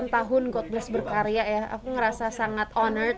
empat puluh delapan tahun god bless berkarya ya aku ngerasa sangat honoured